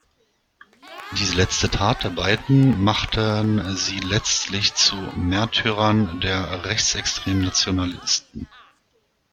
Diese letzte Tat der beiden machten sie letztlich zu Märtyrern der rechtsextremen Nationalisten.